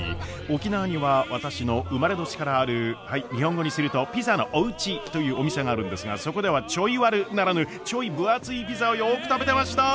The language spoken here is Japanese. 沖縄には私の生まれ年からあるはい日本語にすると「ピザのおうち」というお店があるんですがそこでは「ちょいワル」ならぬちょい分厚いピザをよく食べてました！